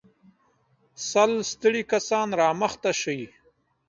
سل ستړي کسان را مخته شئ.